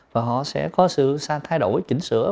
và họ sẽ có sự thay đổi chỉnh sửa